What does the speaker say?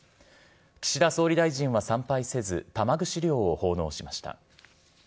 岸田総理大臣は参拝せず、玉串料を奉納しました。